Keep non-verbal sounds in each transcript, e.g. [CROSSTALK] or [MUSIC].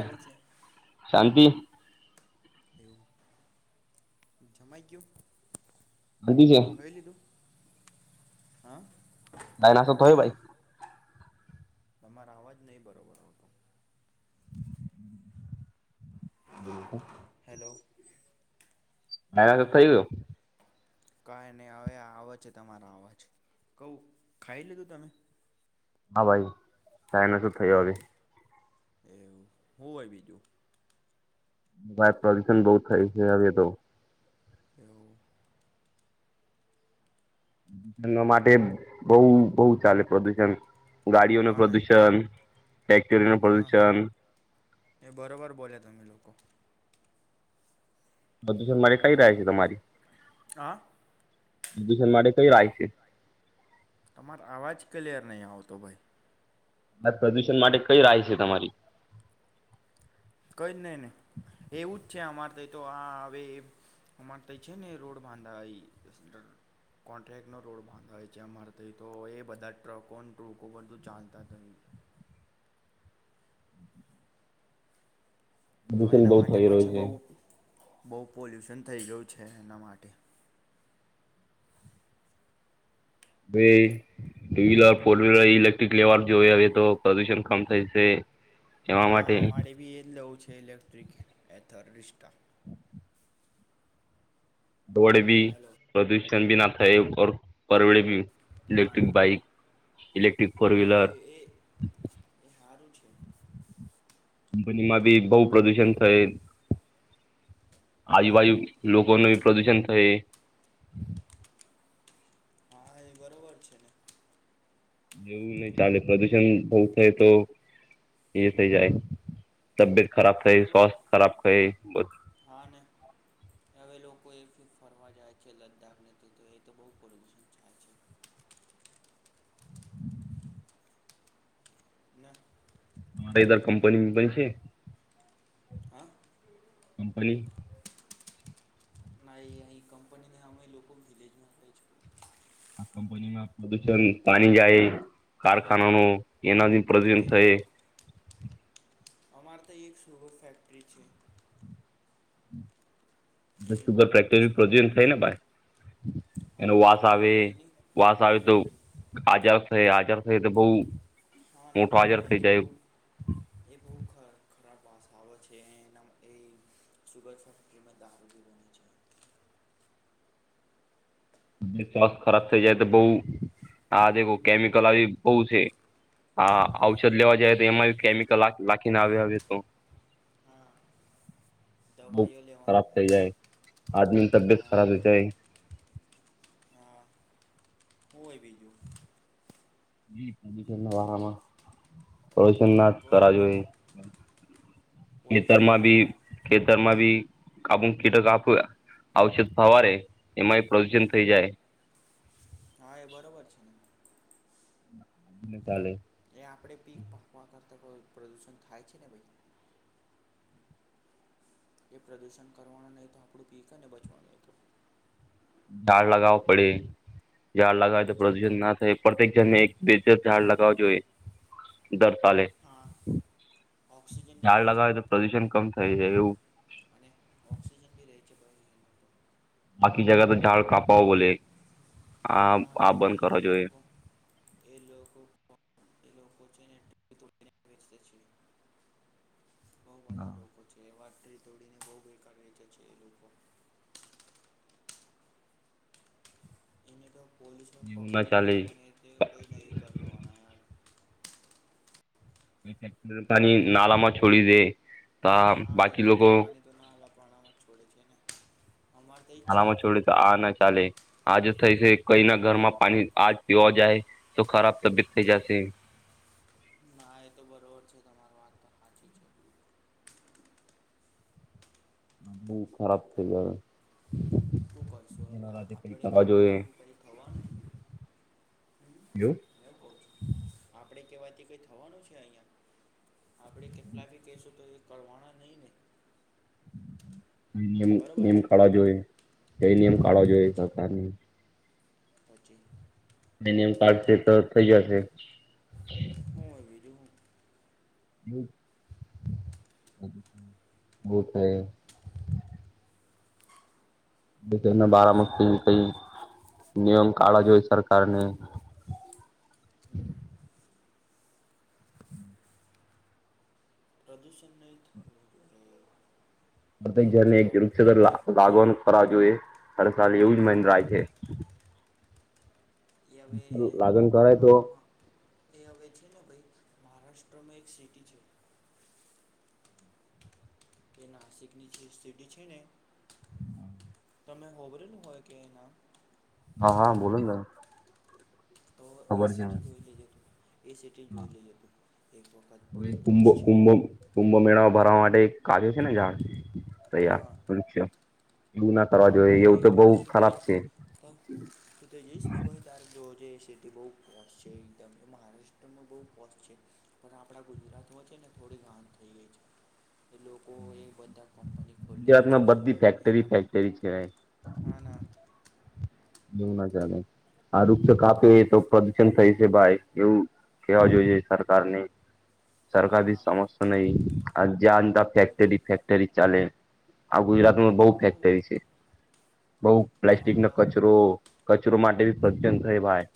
કેવું છે હમ શાંતિ. એવું જમાઈ ગયું. શાંતિ છે ખાઈ લીધું. હા. દાયનાસ તોય ભાઈ. તમારા અવાજ નહી બરોબર હોતો. બટ. હેલો હ તો થઈ ગયું. કઈ નહી હવે આવજ છે તમારા અવાજ કવું ખાઈ લીધું તમે. હા ભાઈ. સાાય ન શું થયો એ હવે એવું હોું હોય બીજું. વા પ્રદુષણ બહુ થાય છે હવે તો એવું. એમના માટે બહ બહ ચાલે પ્રદૂષણ ગાડીઓ ન હા ને પ્રદુષણ ફેક્ટરીનું હા પ્રદુષણ એ બરોબર બોલ્યા તમે લોકો. બધું છે મારે કઈ રહ છે તમારી હા [UNINTELLIGIBLE] શન માટે કઈ લખ છે. તમારો અવાજ ક્લિયર નહી આવતો ભાઈ. પ્રદૂષણ માટે કઈ રાાય છે તમારી કઈ જ નહી નને એવું જ છે અમાર ત તો આ હ અમાર છે ને રોડ બાંધા કોન્ટક નો રોડ બાંધ છે અમાર તો એ બધા ટ્રકો ટ્રકો બધું ચાલતા તો પ્રદુષણ એના બહુ માટે થઈ રહ્યું પછી છે બહુ. બહુ પોલ્યુશન થઈ ગયું છે એના માટે ભાઈ two wheeler four wheeler electric લેવાલ જોઈ હ તો પ્રદુષણ કમ થાયશે હા મારે ભી એજ લવું છે. લેક્ટ્રિક એઍથર ડિસ્ટા દોડ ભી હેલો પ્રદૂષણ ભી ના થાય. પરવેળ બી હા ના ઇલેક્ટ્રિક બાઇક. ઇલેક્ટ્રિક ફોર હા વ્હીલર એ એ એ સારું છે કંપનીમાં બી બહુ પ્રદુષણ થય હમ આજુબાજુ લોકોનું પ્રદૂષણ થાય હા એ બરોબર છે ને એવું નહી ચાલે પ્રદુષણ બહુ થાય તો એ થઇ જાય. તબિયત હા ખરાબ થઈ બરાબર સ્વાસ્થ ખરાબ થઈ બધ હા ને હવે લોકો એ ફરવા જાય છે લદ્દાખને એ તો બુ ના. ધર કંપની વિમપની છે. હા. કંપાઈ. ના અ કંપની ન નામય લોકો વિલેજમાં થ છે. આ કંપનીમાં પ્રદુષણ પાણી જાય કારખાના ન એનાથી પ્રતિન થ એ અમાર તો એક શુભો ફેક્ટરી છે. એની બહુ ગંદી ગરકર પ્ર સ્મેલ આવે થાય ને છે ભાઈ હા એનો વાસ થાય ને આવે તો એની વાસ આવે તો આજે થ આચાર થ તો બહુ. હા ના મોટો હાજર થઈ એની બહુ જાય એ બહુ ખરાર ખરાબ વાસ આવે છે એના માટે સુગર ફેક્ટમાં દારૂી બને છે. શ્વાસથ ખરાબ થઇ જાય તો બહ આ જેે કેમિકલ આવી બહ છે. હા ઔષધ લેવા જાય તો એમાં કેમિક કલાક લખીને આવે હ તો. હા બુખ દવાઈઓ ખરાબ લેવાની થઈ જાય, આદમીની તબિયત હા ખરાબ થઈ જાય. હા હો બીજું એ પને વારામાં કવશન ના જ કોઈ કરવા ને જોઈ. પોલ્યુશન ખેતરમાં નહીં ભી થવું જોઈએ ખેતરમાં બી કાબું કીટ કાપ ઔષધ ભવા રે એમાંય પ્રદુષણ હમ થઈ જાય. હા એ બરોબર છે ને અને તાલે. એ આપડે પીક પાકવા કરતા. પ્રદુષણ થાય છે ને ભાઈ. એ પ્રદુષણ કરવાનું નહી તો આપણું પીક અને બચવાનું ન તો. ઝાડ લગાવા પડે. ઝાડ લગાવવાય તો પછી પ્રદૂષણ ના થાય. એક બેજર ઝાડ લગાવ જોઈએ. દર સાલે હા ઓક્સિજન બી ઝાડ રહે છે લગાવે તો એના પ્રદુષણ કમ થાય છે એવું. અને ઓક્સિજન બી રહે છે પ્રદૂષણમાં તો બાકી જાયગા તો ઝાળ કાપાઓ બોલે આ હા આ ના બંધ એ કરવા જોઈએ. લોકો એ લોકો એ લોકો [UNINTELLIGIBLE] છે. બઉ બધા લોકો છે એ વાત તોડીને બહુ બેકાર વેચે છે એ લોકો. એને તો પોલીસને એવું ના પકડવી ચાલે જોઈએ પણ એથી કંઈ નહીં કર લવાના યાર. પા નાલમાંમાં છડી દે. ત બાકી લોકો પણણામાં છોડે છે ને. અમારે તો એ જ છે એ માલામાં છોડે તો આ ના ચાલે આજ થઈ છે કઈ ના ઘરમાં પાણી આજ પીવા જાય તો ખરાબ તબિયત થઈ જશે. ના એ તો બરોબર છે. તમાર વાત તો સાચી છે. આ બવુ ખરાબ થઈ જવે શું કરશું હવે આપડે કરવા જોઈએ કેવાથી હું ક થવાનું એવું ક છું આપડે કેવા કઈ થવાનું છે અહિયાં. આપડે કેટલા બી કશું તો કરવાના નહીં ને. કમ બરોબર નિયમ છે કે કાઢવા જોઈએ કઈ નિયમ કાઢવા જોઈએ સરકારની ઓછી. નયમ કાર્ડ છે તો થઇ જશે. હું બીજું હું. એ બહ થાય. એ બના પ્રદૂષણ જ બારામથી કઈ થાય નિયમ કાળા જો હોય સરકારને [INAUDIBLE] પ્રદૂષણ નહી થ. બધા જણને એક જરૂર છે તો લાગવાનું ખર જોઈએ. હર સાલ એવું જ મનરાાય છે. હા એ હવે લાગન કરાય તો. આ એ હવે છે ને ભાઈ મહારાષ્ટ્રમાં એક સિટી છે. કે નાસિકની જે સિટી છે ને [INAUDIBLE] તમે હોભરેલું હોય કે એ નામ. હા હા બોલોને. તો એ સિટી જોઈ લઈ જતું એ સિટી જોઈ લઈ જતું એક વખત પૂરી કુંભ પોશ છે. કુંભ કુંભ મેળા ભરવા માટે એક કાાગ્યો છે ને ઝાડ તૈયાર હા શ છેો [INAUDIBLE] હા એ ખરાબ છે તું ત તું જઈશ ને બ તારે જોવ જઈશ. સ્થિ બહુ પોસ્ટ છે એકદમ એ મહારાષ્ટ્રમાં બહુ ફસ્ટ છે પણ આપણા ગુજરાતમાં છે ને થોડી ઘાંધ થઈ ગઈ છે એ લોકો એ બધા કંપની ગુજરાત માં બધી ફેક્ટરી ફેક્ટરી છે હ ના. એવું ના ચાલે આ વૃક્ષક્ષ કાપે તો પ્રદુષણ થઈ છે ભાઈ એવું કેવા જોઈ છે સરકાર ને સરકાર હા સમસ્યા નહી આ. જેતા પછી ફેક્ટરી ફેક્ટરી ચાલે હ ગુજરાત. બહ બહુ ફેક્ટરી છે. બઉ હા પ્લાસ્ટિક નો ના કચરો કચરો માટેી પ્રત થાય ભાઈ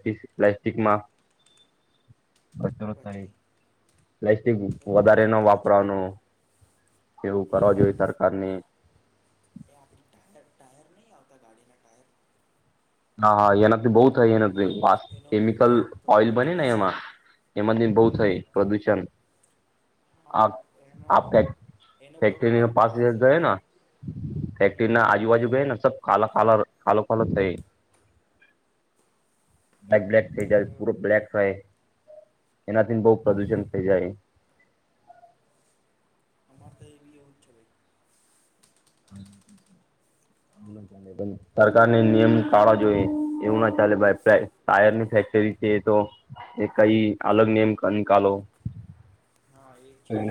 પ્ પ્લાસ્ટિકમાં કરો પછી પ્લાસ્ટિક એ વધારે ખરાબ ન થાય છે વાપરવાનું એવું કરવા જોઈએ સરકારની. એ આપણી ટાયર ટાયર નહીં આવતા ગાડીના ટાયર. હા હા એનાથી બહુ થાય એના એનો કેમિકલ એનો તો બહુ ઓઈલ બને થાય ને છે એમાં એમાંથી બહ આના થઈ તો પ્રદુષણ આના એનો આપ એનો બહુ ફેક્ટરી પ્રદૂ પા પ્રદૂષણ ગયો થાય ને હમ ફેક્ટરી ના આજુબાજુ ગને સ. કાલો કાલો કાલો કાલો થ. બ્ક બ્લેક થઈ જાય એવું પૂરો બ્લેક થાય એનાથી બહ પ્રદુષણ થઈ જાય. અમાર તો એવી હો જ છય. ચા સરકારને નિયમ ટાળવા જોઈએ એવું ના ચાલેાઈ ટાયરની ફેક્ટરી છે તો એ કઈ અલગ નિયમ નિકાલો હા એ જ છે ને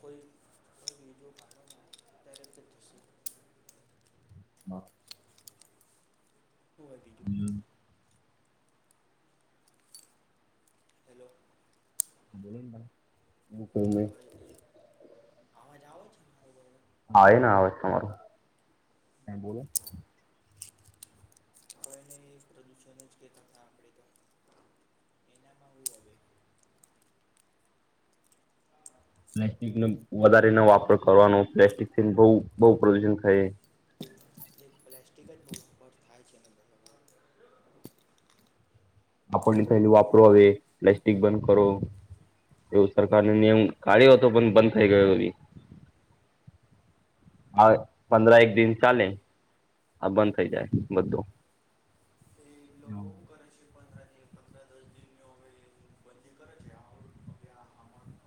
કોઈ કોઈ બીજું કાઢો ને તરત જ થશે શું હા. હોય બીજું [INAUDIBLE] હેલો કોઈ નહીં [INAUDIBLE] અવાજ આવે છે મારો બરાબર હ ને આવેજ તમારો ક બોલો પ્રદુષણ જ કેતાં તો એનામાં હ પ્લાસ્ટિક ન વધારે ન વાપર કરવાનો પ્લાસ્ટિકથી બહ બહ પ્રદુષણ થાય. પ્લાસ્ટિક જ બ થાય છે. આપણની થેલી વાપરો હમ હવે પ્લાસ્ટિક બંધ કરો એવો સરકારને નિયમ કાઢ્યો હતો પણ બંધ થઈ ગયો એ આ પંદરા એક દિન ચાલે આ બંધ થઈ જાય બધું પ દસ દ હવે બ કરે છે.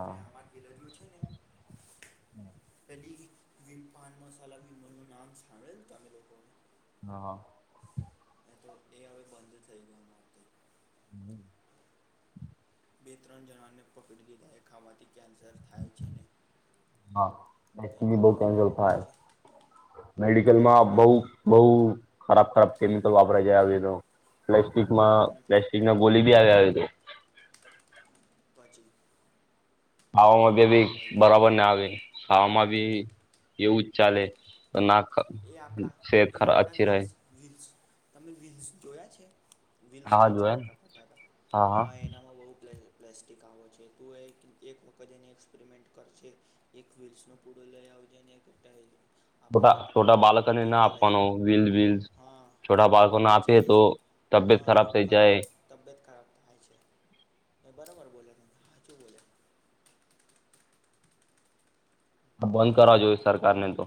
હવે આમાં ગેલેરીઓ છે ને [INAUDIBLE] પાન મસાલા વિમ નું નામ સાંભેને તમે લોકોને હા. તો એ હવે બંધ થઈ ગયોું ન [INAUDIBLE] બે ત્રણ જવાને પકડી લીધા ખાવાથી. કેન્સર થાય છે ને થાય એના એનાનું પછી મેડિકલમાં બ એના બ. ખરાબ ખરાબ. કેમિકલ વાપરા જાય પ્લાસ્ટિકમાં હમ, પ્લાસ્ટિક ના ગોલી બ તો [INAUDIBLE] પછી ખાવામાં બે હું ભી હોય બરાબર ના આવી. ખાવામાં બી એવુંજ ચાલે તો નાક. એ આપડા એ આપડા વલ્સ વલ્સ તમે વિલ્સ જોયા છે. વિન્સ હા અને જો હે ચ્ટાકા પતા હતા હા એનામાં બહુ પ્લેઝ પ્લાસ્ટિક આવો છે તું એક એક વખત એની એક્સપેરિમેન્ટ કરજ એક વ્હીલ્સ ન પૂડું લઈ આવજે ને એક બધા થો. ટ તીખા લ હા છોટા બાળકોને પછી આપીએ એજ તો તબિયત હા થઈ ખરાબ જાય તબિયત ખરાબ થાય છે એ બરાબર. હજ બોલ. આ હું બંધ હોય કરવા બીજું જોઈ સરકાર ને તો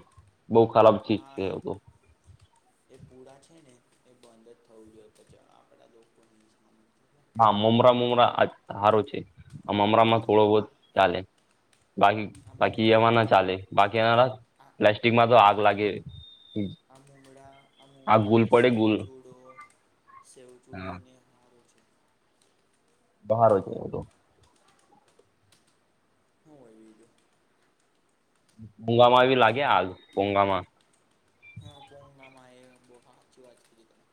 બહુ ખરાબ ચીજ હા છે એ તો એ પૂળા છે ને એ બંધ જ થવું જોઈએ પછ આપડા લોકો. હા મમરા મમરા આ સારું છે. આ મમરામાં હા થોડો બો હા ચાલે બાકી આમ બાકી ઉમરા એમાં ના આમ ચાલે બાકી એના પ્લાસ્ટિકમાં તો લાગે. આ મુમડા આ આગ મુમડા ગુલ પડે ગુલ સેવચુડો સેવચુડો ને હારો છે. બહાર જ એવું તો [INAUDIBLE] [UNINTELLIGIBLE] પોંગામાં એવી લાગે આગ પોંગામાં હા પોગામાં એ બો હાચી વાત કીધી તમે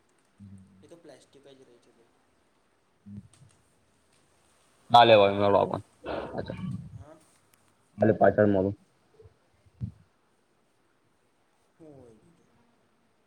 એતો પ્લાસ જ રેઈ છે. હમ. [INAUDIBLE] હ. હાલે પાછળ મલુ [INAUDIBLE]